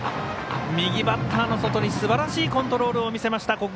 右バッターの外にすばらしいコントロールを見せた。